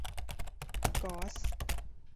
ก๊อซ